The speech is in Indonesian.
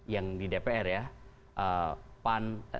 yang di dpr ya